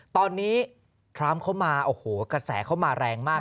ตอนนี้ทรัมป์เข้ามาโอ้โหกระแสเข้ามาแรงมาก